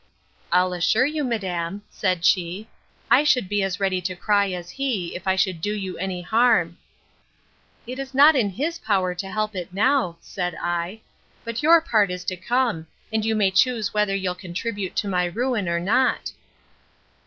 I'll assure you, madam, said she, I should be as ready to cry as he, if I should do you any harm. It is not in his power to help it now, said I; but your part is to come, and you may choose whether you'll contribute to my ruin or not.